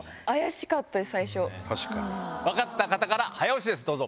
分かった方から早押しですどうぞ。